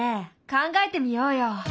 考えてみようよ。